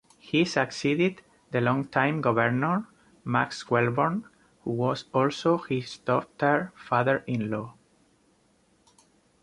He succeeded the longtime governor, Max Wellborn, who was also his daughter's father-in-law.